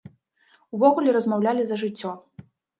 Увогуле размаўлялі за жыццё.